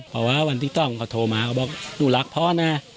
บอกว่าวันที่ต้องเขาโทรมาก็บอกหนูรักพอนะ